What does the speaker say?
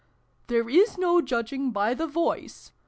" There is no judging by the voice